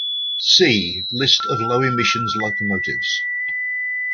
"See" List of low emissions locomotives.